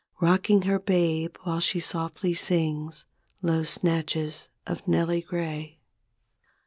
Rocking her babe while she softly sings Low snatches of "Nellie Gray."